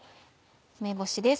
梅干しです。